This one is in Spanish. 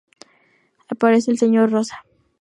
Aparece el señor Rosa.